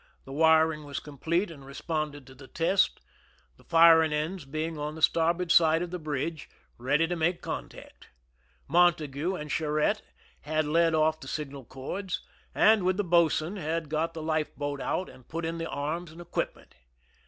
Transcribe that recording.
The wiring was complete, and responded to the test, the firing ends being on the starboard side of the bridge, ready to make contact. Montague and Charette had led off the signal cords, and, with the boatswain, had got the life boat out and put in the arms and equipment.